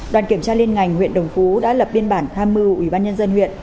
đoàn kiểm tra liên ngành huyện đồng phú đã lập biên bản tham mưu ubnd huyện